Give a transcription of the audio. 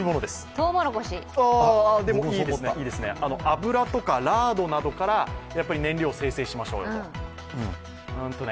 油とかラードなどから燃料を精製しましょうよと。